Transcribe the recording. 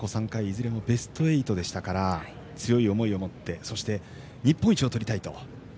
児玉は過去３回いずれもベスト８でしたから強い思いを持ってそして日本一をとりたいと。